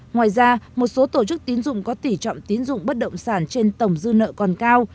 ngoài ra một số tổ chức tín dụng có tỷ trọng tín dụng bất động sản trên tổng dư nợ còn cao